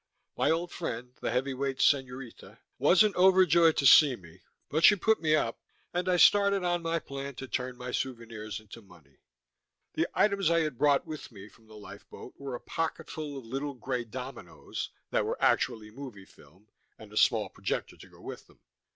My old friend, the heavyweight señorita, wasn't overjoyed to see me, but she put me up, and I started in on my plan to turn my souvenirs into money. The items I had brought with me from the lifeboat were a pocketful of little gray dominoes that were actually movie film, and a small projector to go with them.